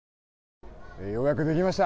ようやくできました。